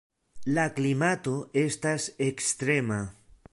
La klimato estas ekstrema.